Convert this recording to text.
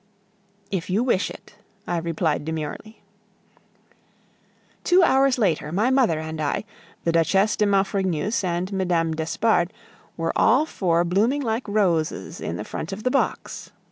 "If you wish it," I replied demurely. Two hours later, my mother and I, the Duchesse de Maufrigneuse and Mme. d'Espard, were all four blooming like roses in the front of the box.